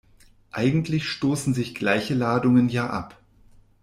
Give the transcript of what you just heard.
Eigentlich stoßen sich gleiche Ladungen ja ab.